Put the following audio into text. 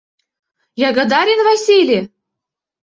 — Ягодарин Василий!